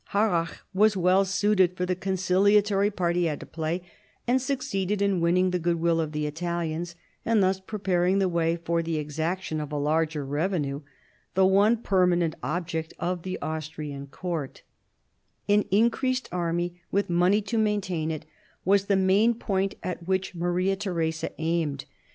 Harrach was well fitted for the conciliatory part he had to play, and succeeded in winning the goodwill of the Italians, and thus preparing the way for the exaction of a larger revenue, the one permanent object of the Austrian court An increased army, with money to maintain it, was the first point at which Maria Theresa aimed.